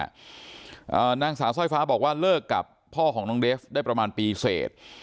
อ่านางสาวสร้อยฟ้าบอกว่าเลิกกับพ่อของน้องเดฟได้ประมาณปีเสร็จ